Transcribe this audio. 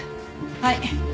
はい。